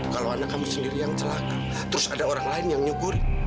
kalau anak kamu sendiri yang celaka terus ada orang lain yang nyugur